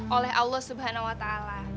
oleh allah subhanahu wa ta'ala